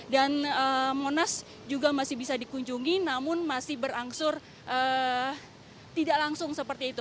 dan monas juga masih bisa dikunjungi namun masih berangsur tidak langsung seperti itu